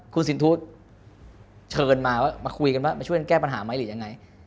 คุณสินทุชเชิญมามาคุยกันว่ามาช่วยสังเกตปัญหามั้ยหรือยังไง